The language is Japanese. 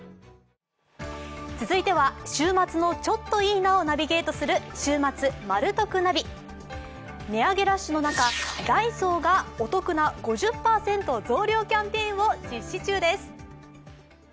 続いては週末のちょっといいなをナビゲートする「週末まる得ナビ」値上げラッシュの中、ダイソーがお得な５０％増量キャンペーンを実施中です。